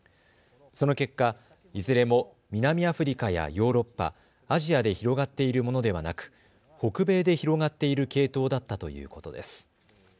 その結果、いずれも南アフリカやヨーロッパ、アジアで広がっているものではなく北米で広がっている系統だったということです。